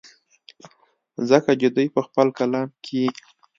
ځکه چې دوي پۀ خپل کلام کښې